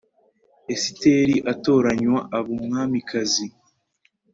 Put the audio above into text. Esiteri atoranywa aba umwamikazi